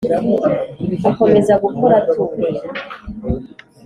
akomeza gukora atuje